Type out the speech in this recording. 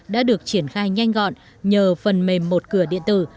đã được triển khai nhanh gọn nhờ phần mềm một cửa điện tử